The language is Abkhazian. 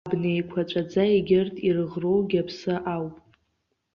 Абни еиқәаҵәаӡа егьырҭ ирыӷроугьы аԥсы ауп.